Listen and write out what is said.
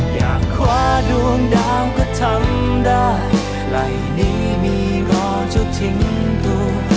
อยากคว้าดวงดาวก็ทำได้ไหล่ดีมีรอจะทิ้งดู